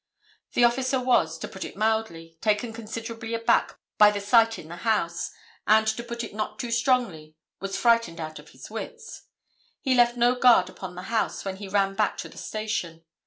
The officer was, to put it mildly, taken considerably aback by the sight in the house, and, to put it not too strongly, was frightened out of his wits. He left no guard upon the house when he ran back to the station.